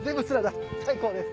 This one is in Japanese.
最高です！